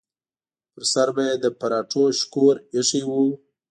پر سر به یې د پراټو شکور ایښی و.